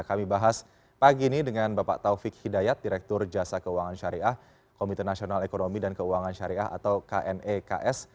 kami bahas pagi ini dengan bapak taufik hidayat direktur jasa keuangan syariah komite nasional ekonomi dan keuangan syariah atau kneks